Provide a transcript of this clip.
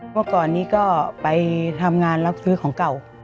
เมื่อก่อนนี้ก็ไปทำงานรับซื้อของเก่า